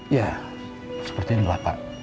ya seperti ini pak